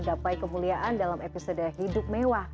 gak payah kemuliaan dalam episode hidup mewah